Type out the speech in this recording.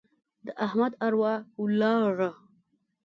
د احمد اروا ولاړه.